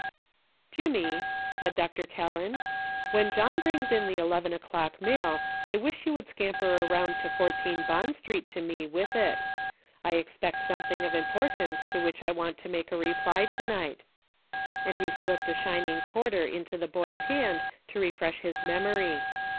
"Jimmy," said Dr. Kelland, "when John brings in the eleven o'clock mail I wish you would scam per around to 14 Bond Street to me with it ; I expect something of importance to which I want to make a reply to night," and he slipped a shining quarter into the boy's hand to refresh his memory.